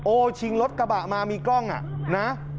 โอ้ชิงรถกระบะมามีกล้องน่ะ